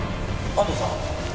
安藤さん？